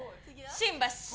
新橋！